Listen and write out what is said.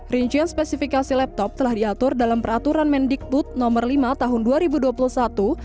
rincian spesifikasi laptop telah diatur dalam peraturan mendikbut nomor lima tahun dua ribu dua puluh satu ini harus dilakukan oleh para pendawat laptop tersebut